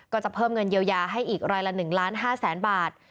ก็จะเพิ่มเงินเยียวยาให้อีกรายละ๑ล้าน๕แสนบาท